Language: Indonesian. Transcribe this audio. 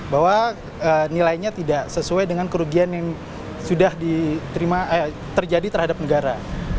bahwa nilainya tidak sesuai dengan kerugian yang sudah terjadi terhadap negara